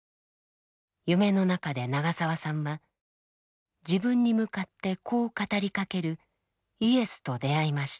夢の中で長澤さんは自分に向かってこう語りかけるイエスと出会いました。